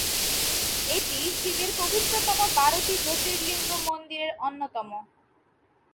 এটি শিবের পবিত্রতম বারোটি জ্যোতির্লিঙ্গ মন্দিরের অন্যতম।